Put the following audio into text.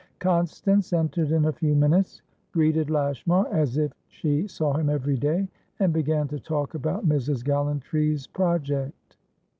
Constance entered in a few minutes, greeted Lashmar as if she saw him every day, and began to talk about Mrs. Gallantry's project.